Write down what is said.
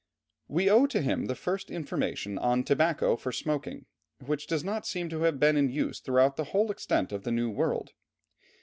We owe to him the first information on tobacco for smoking, which does not seem to have been in use throughout the whole extent of the New World.